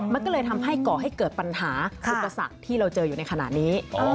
มันก็เลยทำให้ก่อให้เกิดปัญหาอุปสรรคที่เราเจออยู่ในขณะนี้